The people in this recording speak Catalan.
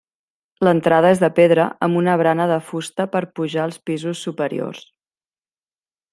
L'entrada és de pedra, amb una barana de fusta per pujar als pisos superiors.